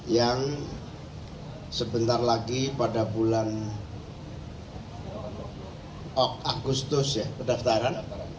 yang sebentar lagi pada bulan agustus ya pendaftaran